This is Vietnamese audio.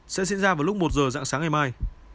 sẽ diễn ra vào lúc một giờ dạng sáng ngày mai